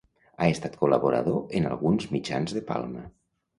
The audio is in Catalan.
Ha estat col·laborador en alguns mitjans de Palma.